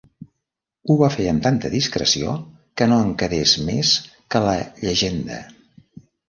Ho va fer amb tanta discreció que no en quedés més que la llegenda.